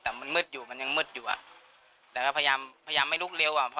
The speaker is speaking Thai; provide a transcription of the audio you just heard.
แต่มันมืดอยู่มันยังมืดอยู่อ่ะแต่ก็พยายามพยายามไม่ลุกเร็วอ่ะ